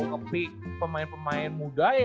kepik pemain pemain muda ya